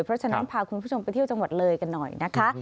เพราะฉะนั้นพาคุณผู้ชมไปเที่ยวจังหวัดเลยกันหน่อยนะคะ